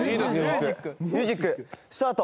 ミュージックスタート！